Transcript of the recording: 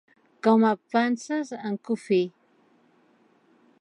Com a panses en cofí.